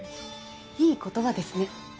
いい言葉ですね。